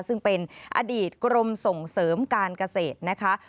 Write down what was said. ซึ่งเป็นอดีตกรมส่งเสริมการเกษตรนะคะ